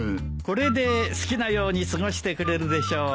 これで好きなように過ごしてくれるでしょう。